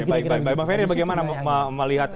baik pak ferry bagaimana melihat